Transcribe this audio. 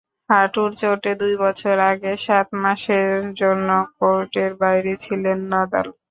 হাঁটুর চোটে দুই বছর আগে সাত মাসের জন্য কোর্টের বাইরে ছিলেন নাদাল।